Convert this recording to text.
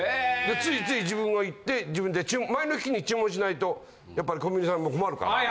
ついつい自分が行って自分で注文前の日に注文しないとやっぱりコンビニさんも困るから。